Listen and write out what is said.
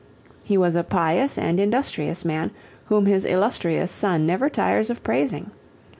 He was a pious and industrious man whom his illustrious son never tires of praising.